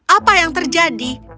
apa yang terjadi